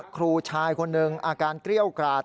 ครูชายคนหนึ่งอาการเกรี้ยวกราด